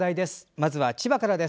まずは千葉からです。